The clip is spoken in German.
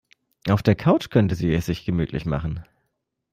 Auf der Couch könnte sie es sich gemütlich machen.